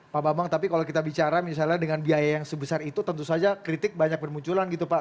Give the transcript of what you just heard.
pak bambang tapi kalau kita bicara misalnya dengan biaya yang sebesar itu tentu saja kritik banyak bermunculan gitu pak